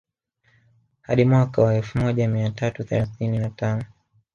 Hadi mwaka wa elfu moja mia tatu thelathini na tano